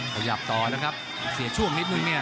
ขยับต่อนะครับเสียช่วงนิดนึงเนี่ย